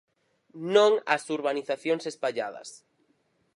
Non ás urbanizacións espalladas.